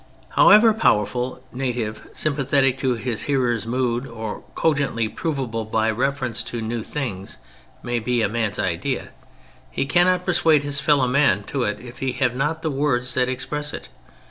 However powerful, native, sympathetic to his hearers' mood or cogently provable by reference to new things may be a man's idea, he cannot persuade his fellow men to it iif he have not words that express it.